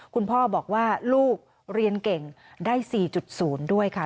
คุณพ่อบอกว่าลูกเรียนเก่งได้๔๐ด้วยค่ะ